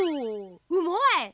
うまい！